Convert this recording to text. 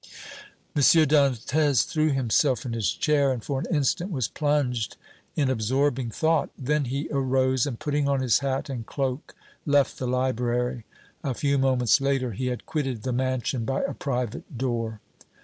M. Dantès threw himself in his chair and for an instant was plunged in absorbing thought; then he arose and putting on his hat and cloak left the library; a few moments later he had quitted the mansion by a private door.